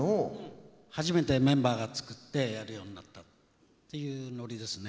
初めてメンバーが作ってやるようになったっていうノリですね。